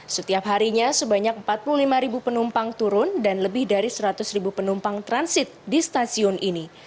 setiap harinya sebanyak empat puluh lima penumpang turun dan lebih dari seratus ribu penumpang transit di stasiun ini